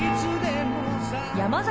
山崎